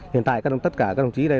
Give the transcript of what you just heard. hiện tại tất cả các đồng chí